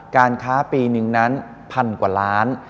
การค้าปีหนึ่งนั้นพันกว่าล้าน